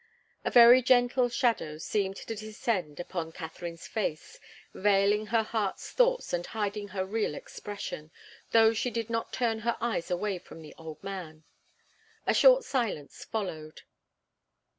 A very gentle shadow seemed to descend upon Katharine's face, veiling her heart's thoughts and hiding her real expression, though she did not turn her eyes away from the old man. A short silence followed.